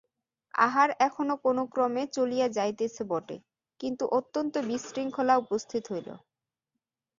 আহার এখনো কোনোক্রমে চলিয়া যাইতেছে বটে, কিন্তু অত্যন্ত বিশৃঙ্খলা উপস্থিত হইল।